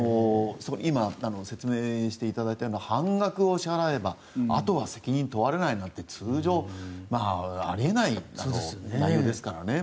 今、説明していただいたのも半額を支払えばあとは責任問われないなんて通常、あり得ない内容ですから。